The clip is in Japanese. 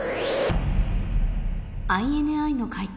ＩＮＩの解答